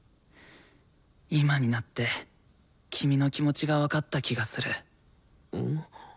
今になって君の気持ちが分かった気がする。